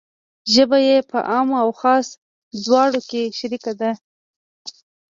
ژبه یې په عام و خاص دواړو کې شریکه ده.